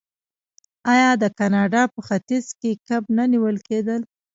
آیا د کاناډا په ختیځ کې کب نه نیول کیدل؟